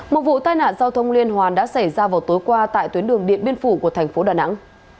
một vụ tai nạn giao thông liên hoàn đã xảy ra vào tối qua tại tuyến đường điện biên phủ của thành phố đà nẵng